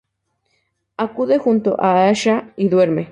Acude junto a Aisha y duerme.